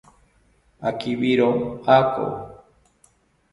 Akibiro ako